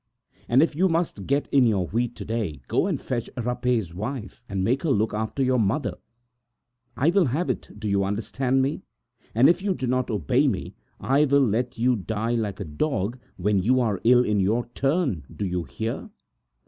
And if you must get in your wheat to day, go and fetch Rapet's wife and make her look after your mother. I WILL have it. And if you do not obey me, I will let you die like a dog, when you are ill in your turn; do you hear me?"